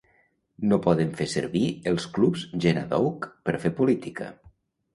No poden fer servir els clubs Jena Doug per fer política.